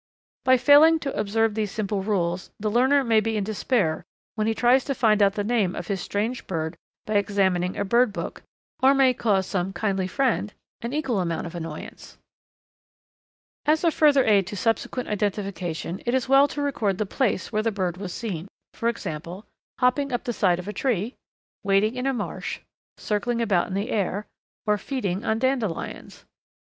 By failing to observe these simple rules the learner may be in despair when he tries to find out the name of his strange bird by examining a bird book, or may cause some kindly friend an equal amount of annoyance. [Illustration: Heads and feet of various birds] As a further aid to subsequent identification it is well to record the place where the bird was seen, for example: "hopping up the side of a tree," "wading in a marsh," "circling about in the air," or "feeding on dandelions."